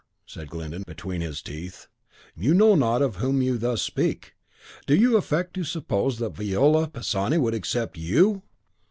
said Glyndon, between his teeth, "you know not of whom you thus speak. Do you affect to suppose that Viola Pisani would accept YOU?"